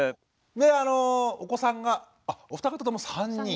であのお子さんがお二方とも３人。